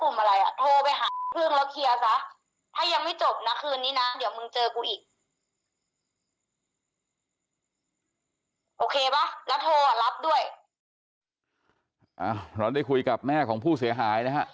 โอเคป่ะแล้วโทรอ่ะรับด้วยเราได้คุยกับแม่ของผู้เสียหายนะฮะ